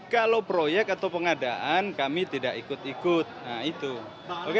kalau proyek atau pengadaan kami tidak ikut ikut nah itu oke